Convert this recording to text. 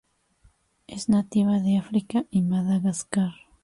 Es nativa de África y Madagascar